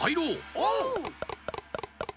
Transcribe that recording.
おう！